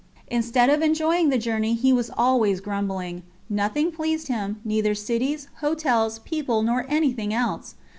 Instead of enjoying the journey he was always grumbling: nothing pleased him, neither cities, hotels, people, nor anything else.